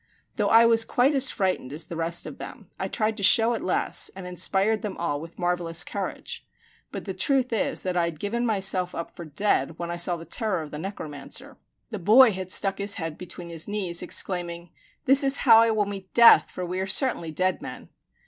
Though I was quite as frightened as the rest of them, I tried to show it less, and inspired them all with marvelous courage; but the truth is that I had given myself up for dead when I saw the terror of the necromancer. The boy had stuck his head between his knees, exclaiming, "This is how I will meet death, for we are certainly dead men."